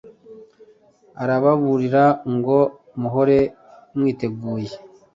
arababurira ngo muhore mwiteguye